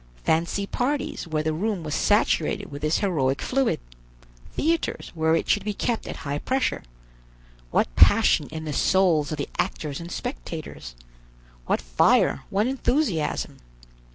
Fancy parties where the room was saturated with this heroic fluid, theaters where it should be kept at high pressure; what passion in the souls of the actors and spectators! what fire, what enthusiasm!